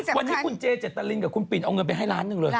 วันนี้คุณเจเจตรินกับคุณปิ่นเอาเงินไปให้ล้านหนึ่งเลย